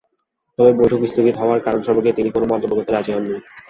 তবে বৈঠক স্থগিত হওয়ার কারণ সম্পর্কে তিনি কোনো মন্তব্য করতে রাজি হননি।